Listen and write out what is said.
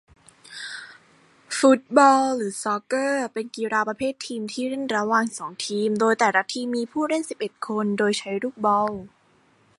ฟุตบอล หรือ ซอกเกอร์ เป็นกีฬาประเภททีมที่เล่นระหว่างสองทีมโดยแต่ละทีมมีผู้เล่นสิบเอ็ดคน โดยใช้ลูกบอล